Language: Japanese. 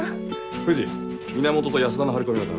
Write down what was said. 藤源と安田の張り込みを頼む。